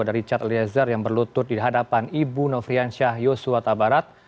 dari chat eliezer yang berlutut di hadapan ibu nofrian syahyus suwata barat